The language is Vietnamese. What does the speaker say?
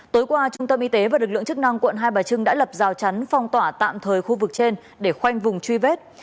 tối qua trung tâm y tế và lực lượng chức năng quận hai bà trưng đã lập rào chắn phong tỏa tạm thời khu vực trên để khoanh vùng truy vết